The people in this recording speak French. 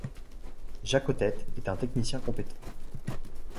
Jaccottet est un technicien compétent.